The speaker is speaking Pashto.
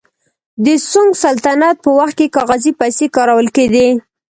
د سونګ سلطنت په وخت کې کاغذي پیسې کارول کېدې.